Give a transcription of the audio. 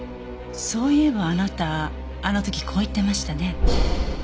そういえばあなたあの時こう言ってましたね。